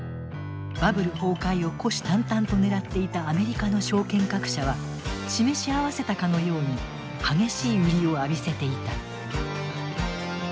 バブル崩壊を虎視眈々と狙っていたアメリカの証券各社は示し合わせたかのように激しい売りを浴びせていた。